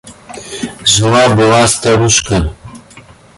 Жила была старушка.